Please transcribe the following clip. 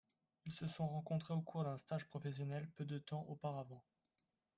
Ils se sont rencontrés au cours d'un stage professionnel peu de temps auparavant.